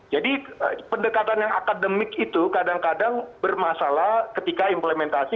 jadi pendekatan yang akademik itu kadang kadang bermasalah ketika implementasi